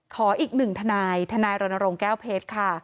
ขออีกหนึ่งทนายทนายรณรงค์แก้วเพชรค่ะ